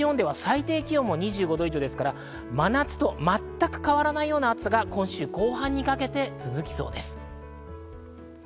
西日本では最低気温でも２５度以上ですから真夏と全く変わらないような暑さが今週後半にかけて続きそうです。